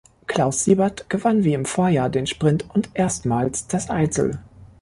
Klaus Siebert gewann wie im Vorjahr den Sprint und erstmals das Einzel.